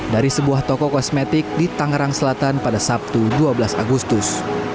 dari sebuah toko kosmetik di tangerang selatan pada sabtu dua belas agustus